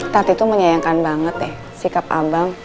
tadi tuh menyayangkan banget deh sikap abang